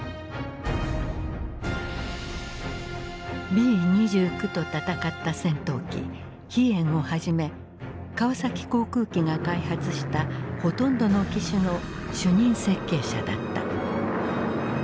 Ｂ２９と戦った戦闘機飛燕をはじめ川崎航空機が開発したほとんどの機種の主任設計者だった。